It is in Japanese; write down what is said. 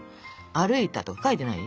「歩いた」とか書いてない？